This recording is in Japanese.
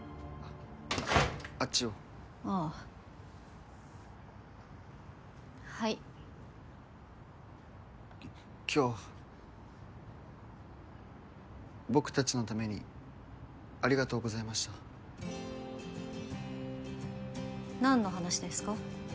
あっちをああはい今日僕達のためにありがとうございました何の話ですか？